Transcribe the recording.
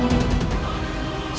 siapa orang ini